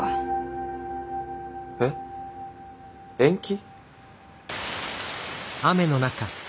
えっ延期？